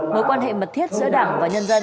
mối quan hệ mật thiết giữa đảng và nhân dân